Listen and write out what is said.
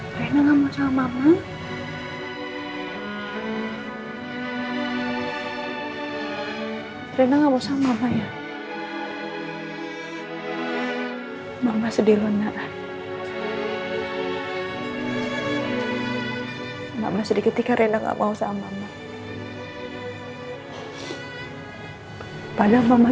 kalo ibu tidak mau sama gao